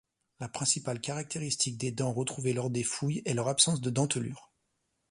La principale caractéristique des dents retrouvées lors des fouilles est leur absence de dentelure.